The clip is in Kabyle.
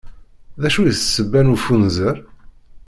D acu i d ssebba n ufunzer?